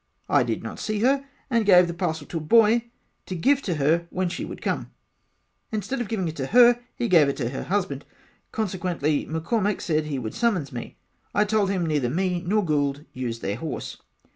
I did not see her and I gave the parcel to a boy to give to her when she would come instead of giving it to her he gave it to her husband consequently McCormack said he would summons me I told him neither me or Gould used their horse.